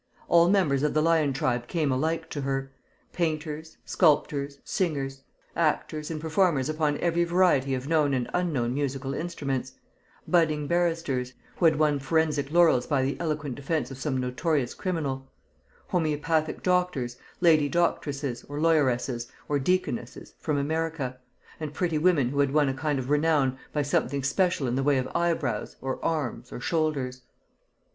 All members of the lion tribe came alike to her: painters, sculptors, singers; actors, and performers upon every variety of known and unknown musical instruments; budding barristers, who had won forensic laurels by the eloquent defence of some notorious criminal; homoeopathic doctors, lady doctresses, or lawyeresses, or deaconesses, from America; and pretty women who had won a kind of renown by something special in the way of eyebrows, or arms, or shoulders.